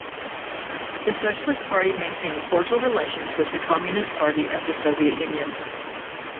The Socialist Party maintained cordial relations with the Communist Party of the Soviet Union.